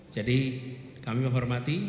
jadi kami menghormati